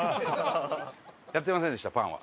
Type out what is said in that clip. やってませんでしたパンは。